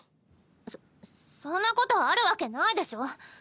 そそんなことあるわけないでしょ。